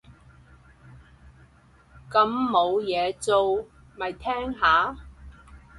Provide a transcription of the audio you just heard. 咁冇嘢做，咪聽下